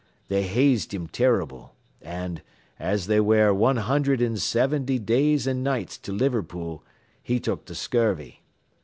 They hazed him terrible; an', as they ware one hundred an' seventy days an' nights to Liverpool, he took the scurvy.